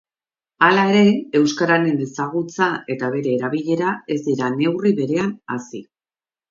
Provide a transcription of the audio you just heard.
Hala ere, euskararen ezagutza eta bere erabilera ez dira neurri berean hazi.